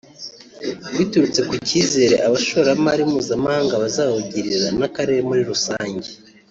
biturutse ku cyizere abashoramari mpuzamahanga bazawugirira n’akarere muri rusange